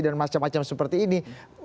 dan macam macam seperti ini